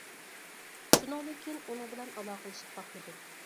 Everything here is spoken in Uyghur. شۇنىڭدىن كېيىن، ئۇنىڭ بىلەن ئالاقىلىشىپ باقمىدىم.